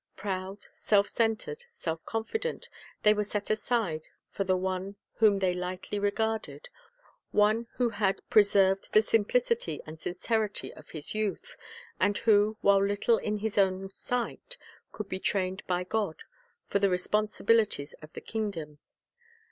Proud, self centered, self confident, they were set aside for the one whom they lightly regarded, one who had preserved the simplicity and sincerity of his youth, and who, while little in his own sight, could be trained by God for the responsibilities of the kingdom.